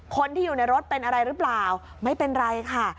คนที่อยู่ในรถเป็นอะไรหรือเปล่าไม่เป็นไรค่ะ